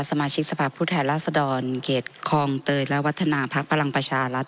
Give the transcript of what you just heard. สมาชิกสภาพผู้แทนราษฎรเขตคลองเตยและวัฒนาภักดิ์พลังประชารัฐ